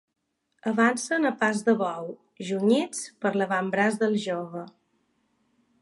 Avancen a pas de bou, junyits per l'avantbraç del jove.